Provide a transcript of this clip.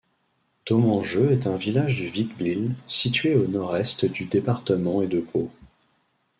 Domengeux est un village du Vic-Bilh, située au nord-est du département et de Pau.